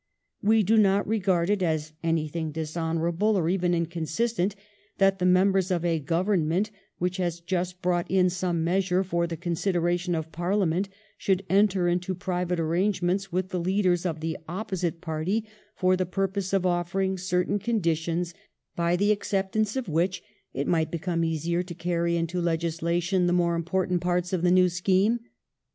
We do not regard it as anything dishonourable or even inconsistent that the members of a Government which has just brought in some measure for the consideration of Parliament should enter into private arrangements with the leaders of the opposite party for the purpose of offering certain conditions, by the acceptance of which it might become easier to carry into legislation the more important parts of the new scheme.